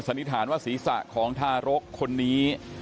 นิษฐานว่าศีรษะของทารกคนนี้